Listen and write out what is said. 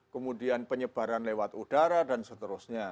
kemudian penyebaran lewat udara dan seterusnya